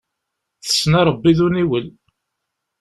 Tessen arebbi d uniwel.